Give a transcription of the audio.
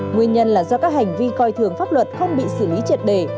nguyên nhân là do các hành vi coi thường pháp luật không bị xử lý triệt đề